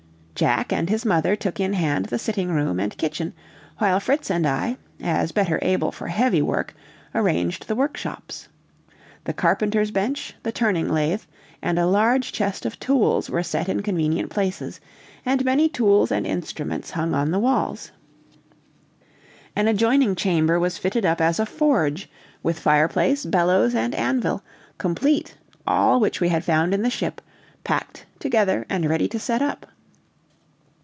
Jack and his mother took in hand the sitting room and kitchen, while Fritz and I, as better able for heavy work, arranged the workshops. The carpenter's bench, the turning lathe, and a large chest of tools were set in convenient places, and many tools and instruments hung on the walls. An adjoining chamber was fitted up as a forge, with fireplace, bellows, and anvil, complete, all which we had found in the ship, packed, together, and ready to set up.